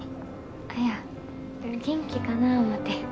いや元気かなぁ思て。